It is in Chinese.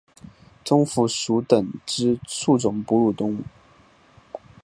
棕蝠属等之数种哺乳动物。